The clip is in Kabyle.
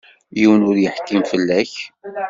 Yiwen ur yeḥkim fell-ak.